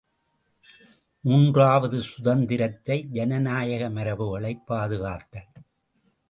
மூன்றாவது சுதந்திரத்தை ஜனநாயக மரபுகளைப் பாதுகாத்தல்.